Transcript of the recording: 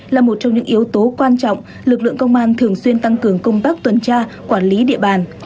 là một trong những yếu tố quan trọng lực lượng công an thường xuyên tăng cường công tác tuần tra quản lý địa bàn